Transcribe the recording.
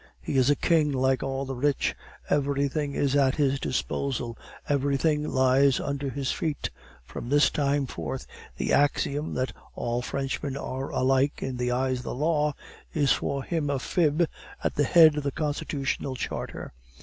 He is a king, like all the rich; everything is at his disposal, everything lies under his feet. From this time forth the axiom that 'all Frenchmen are alike in the eyes of the law,' is for him a fib at the head of the Constitutional Charter.